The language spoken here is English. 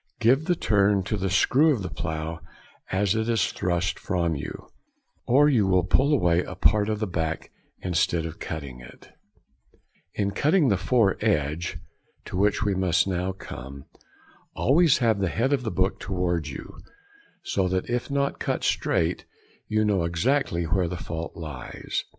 Give the turn to the screw of the plough as it is thrust from you, or you will pull away a part of the back instead of cutting it. [Illustration: Section of Book and Press, book partly cut.] In cutting the foredge, to which we must now come, always have the head of the book towards you, so that if not cut straight you know exactly where the fault lies.